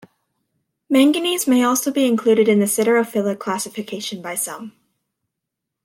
Manganese may also be included in the siderophilic classification by some.